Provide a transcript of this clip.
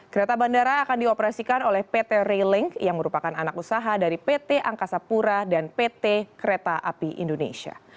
kereta bandara akan dioperasikan oleh pt railing yang merupakan anak usaha dari pt angkasa pura dan pt kereta api indonesia